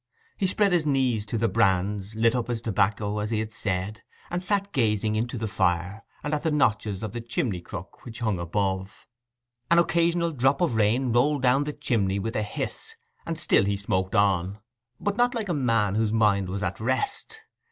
He spread his knees to the brands, lit up his tobacco as he had said, and sat gazing into the fire, and at the notches of the chimney crook which hung above. An occasional drop of rain rolled down the chimney with a hiss, and still he smoked on; but not like a man whose mind was at rest.